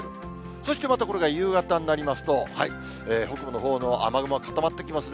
そしてまたこれが夕方になりますと、北部のほうの雨雲が固まってきますね。